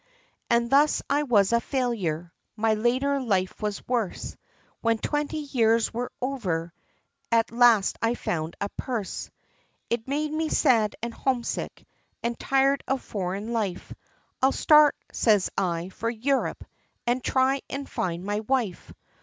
And thus I was a failure, my later life was worse, When twenty years were over, at last I found a purse. It made me sad, and homesick, and tired of foreign life, "I'll start," says I, "for Europe, and try and find my wife."